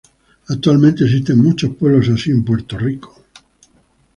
Actualmente existen muchos pueblos así en Puerto Rico.